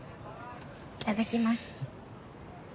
いただきます。